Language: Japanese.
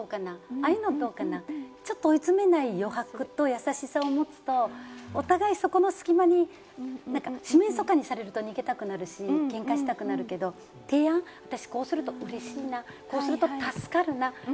ああいうのどうかな、ちょっと追い詰めない余白と優しさを持つとお互い、そこの隙間に四面楚歌にされると逃げたくなるし、けんかしたくなるけど、提案、私こうすると嬉しいな、こうすると助かるな。